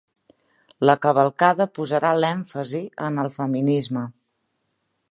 La cavalcada posarà l'èmfasi en el feminisme